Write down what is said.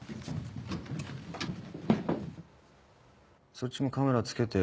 「そっちもカメラ付けてよ。